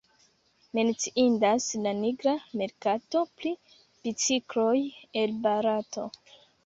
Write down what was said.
Menciindas la nigra merkato pri bicikloj el Barato.